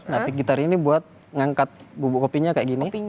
napi gitar ini buat ngangkat bubuk kopinya kayak gini